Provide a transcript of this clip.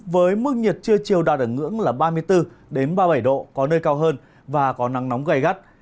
với mức nhiệt trưa chiều đạt ở ngưỡng là ba mươi bốn ba mươi bảy độ có nơi cao hơn và có nắng nóng gây gắt